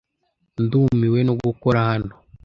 Ndumiwe no gukora hano.